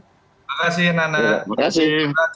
makasih nana makasih